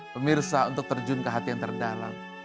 pemirsa untuk terjun ke hati yang terdalam